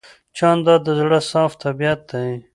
جانداد د زړه صاف طبیعت دی.